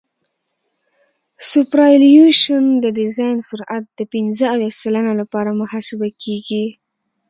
سوپرایلیویشن د ډیزاین سرعت د پنځه اویا سلنه لپاره محاسبه کیږي